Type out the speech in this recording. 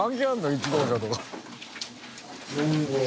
１号車とか。